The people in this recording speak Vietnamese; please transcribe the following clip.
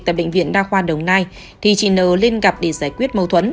tại bệnh viện đa khoa đồng nai thì chị n lên gặp để giải quyết